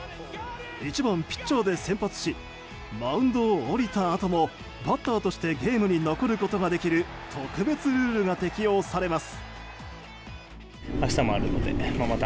１番ピッチャーで先発しマウンドを降りたあともバッターとしてゲームに残ることができる特別ルールが適用されます。